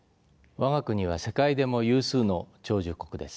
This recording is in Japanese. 我が国は世界でも有数の長寿国です。